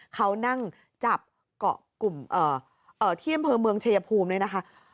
เขานั่งจับเกาะกลุ่มที่อำเภอเมืองชายภูมิเนี่ยนะคะ